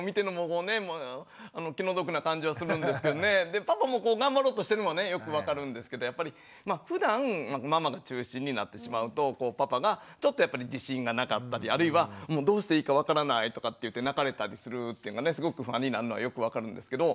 でパパも頑張ろうとしてるのはねよく分かるんですけどやっぱりふだんママが中心になってしまうとパパがちょっとやっぱり自信がなかったりあるいはもうどうしていいか分からないとかっていって泣かれたりするとすごく不安になるのはよく分かるんですけど。